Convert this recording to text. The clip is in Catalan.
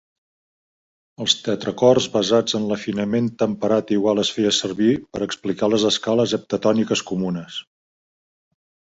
Els tetracords basats en l'afinament temperat igual es feia servir per explicar les escales heptatòniques comunes.